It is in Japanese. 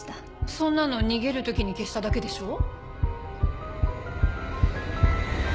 そんなの逃げる時に消しただけでしょう？